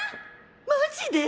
マジで？